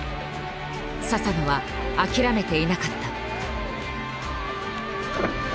佐々野は諦めていなかった。